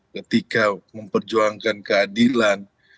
ketika memperjuangkan keadilan